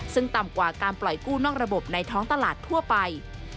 ซึ่งต่ำกว่าการปล่อยกู้นอกระบบในท้องตลาดทั่วไป